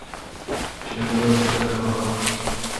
সেগুলোর উপরে হলো আরশ।